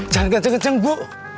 jangan kenceng kenceng bu